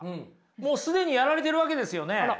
もう既にやられてるわけですよね。